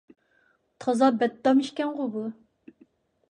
تازا بەتتام ئىكەنغۇ بۇ.